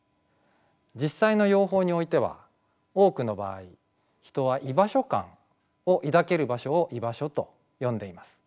実際の用法においては多くの場合人は居場所感を抱ける場所を居場所と呼んでいます。